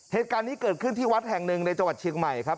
เหตุการณ์นี้เกิดขึ้นที่วัดแห่งหนึ่งในจังหวัดเชียงใหม่ครับ